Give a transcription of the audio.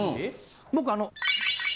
僕あの。